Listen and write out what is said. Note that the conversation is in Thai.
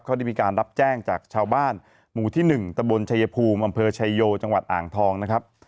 เขาได้มีการรับแจ้งจากชาวบ้านหมู่ที่๑ตะบนชายภูมิอำเภอชายโยจังหวัดอ่างทองนะครับ